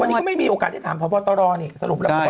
วันนี้ก็ไม่มีโอกาสจะถามพ่อพ่อต้อรอสรุปแล้ว